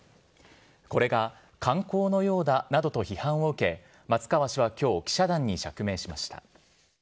これが観光のようだなどと批判を受け、松川氏はきょう、記者団に釈明しました。